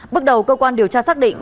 bước đầu cơ quan điều tra xác định